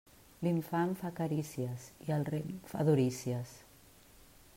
L'infant fa carícies i el rem fa durícies.